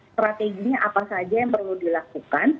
strateginya apa saja yang perlu dilakukan